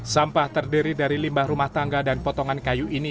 sampah terdiri dari limbah rumah tangga dan potongan kayu ini